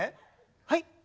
はい？